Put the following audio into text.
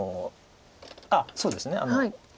あっそうですね。